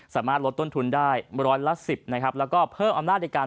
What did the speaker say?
สามารถลดต้นทุนได้ร้อยละสิบนะครับแล้วก็เพิ่มอำนาจในการ